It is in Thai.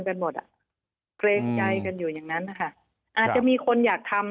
กันหมดอ่ะเกรงใจกันอยู่อย่างนั้นนะคะอาจจะมีคนอยากทำ